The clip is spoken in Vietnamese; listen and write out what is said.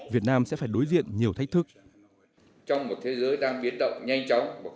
việt nam sẽ phải đối diện nhiều thách thức